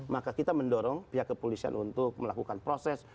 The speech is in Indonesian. maka kita mendorong pihak kepolisian untuk melakukan proses